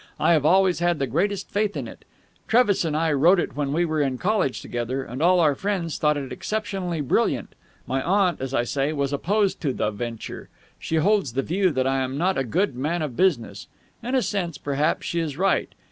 I have always had the greatest faith in it. Trevis and I wrote it when we were in college together, and all our friends thought it exceptionally brilliant. My aunt, as I say, was opposed to the venture. She holds the view that I am not a good man of business. In a sense, perhaps, she is right.